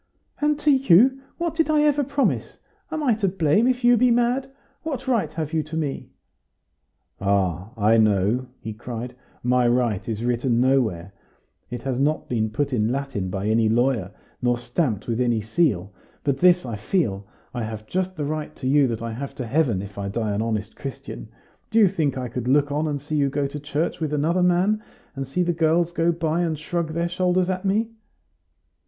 "And to you, what did I ever promise? Am I to blame if you be mad? What right have you to me?" "Ah! I know," he cried, "my right is written nowhere. It has not been put in Latin by any lawyer, nor stamped with any seal. But this I feel: I have just the right to you that I have to heaven, if I die an honest Christian. Do you think I could look on and see you go to church with another man, and see the girls go by and shrug their shoulders at me?"